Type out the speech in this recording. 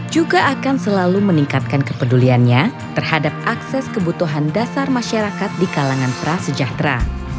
juga akan selalu meningkatkan kepeduliannya terhadap akses kebutuhan dasar masyarakat di kalangan prasejahtera